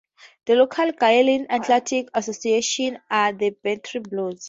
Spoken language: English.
The local Gaelic Athletic Association are the Bantry Blues.